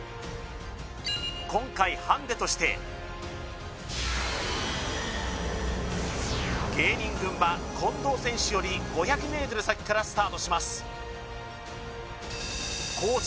今回ハンデとして芸人軍は近藤選手より５００ｍ先からスタートしますコース